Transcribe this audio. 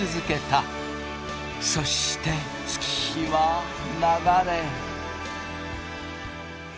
そして月日は流れ。